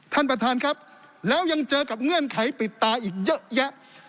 ท่านประธานครับแล้วยังเจอกับเงื่อนไขปิดตาอีกเยอะแยะ